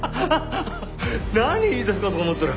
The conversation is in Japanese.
何言い出すかと思ったら。